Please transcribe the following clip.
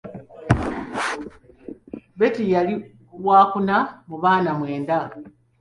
Beti yali wakuna mu baana mwenda